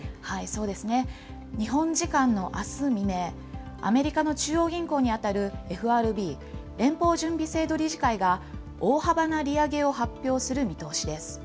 そうですね、日本時間のあす未明、アメリカの中央銀行に当たるＦＲＢ・連邦準備制度理事会が大幅な利上げを発表する見通しです。